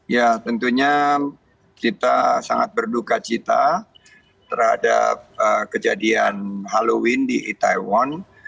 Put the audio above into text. ya tentunya kita sangat berduka cita terhadap kejadian halloween di itaewon